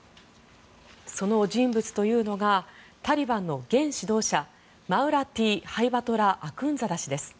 その人物というのがタリバンの現指導者マウラウィ・ハイバトラ・アクンザダ師です。